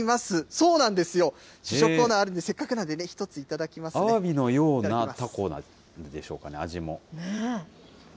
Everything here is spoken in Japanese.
そうなんですよ、試食コーナーあるので、せっかくなんで、１つ頂アワビのようなタコなんでし